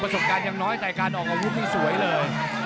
ประสบการณ์ยังน้อยแต่การออกอาวุธมัวนี่มันก็งบ